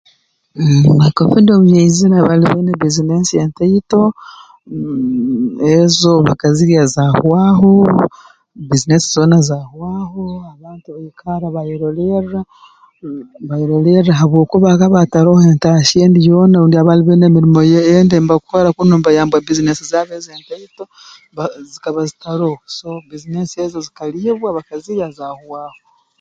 Mmh kovidi obu yaizire abaali baine bbizinesi entaito mmh ezo bakazirya zahwahoo bbiizinesi zoona zahwaho abantu baikarra baayerolerra mh baayerolerra habwokuba hakaba hataroho entahya endi yoona rundi abaali baine emirimo ye endi nibakora kunu mbayambaho bbiizinesi zaabo ez'entaito ba zikaba zitaroho so bbiizinesi ezo zikalibwa bakazirya zahwaho